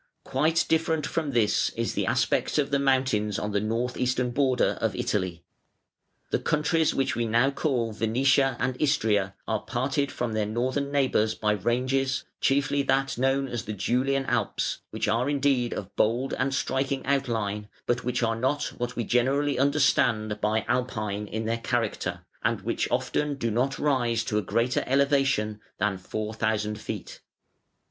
Quite different from this is the aspect of the mountains on the north eastern border of Italy. The countries which we now call Venetia and Istria are parted from their northern neighbours by ranges (chiefly that known as the Julian Alps) which are indeed of bold and striking outline, but which are not what we generally understand by "Alpine" in their character, and which often do not rise to a greater elevation than four thousand feet.